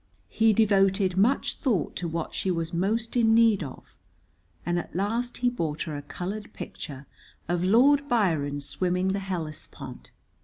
He devoted much thought to what she was most in need of, and at last he bought her a colored picture of Lord Byron swimming the Hellespont.